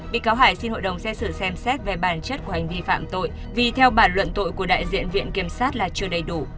bị cáo hải xin hội đồng xét xử xem xét về bản chất của hành vi phạm tội vì theo bản luận tội của đại diện viện kiểm sát là chưa đầy đủ